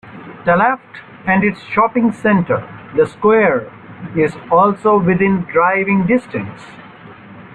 Tallaght and its shopping centre, The Square, is also within driving distance.